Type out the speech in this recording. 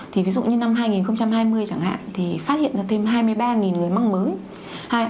thì ví dụ như năm hai nghìn hai mươi chẳng hạn thì phát hiện ra thêm hai mươi ba người mắc mới